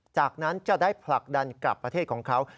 จากนั้นจะได้ผลักดันกลับประเทศของเขา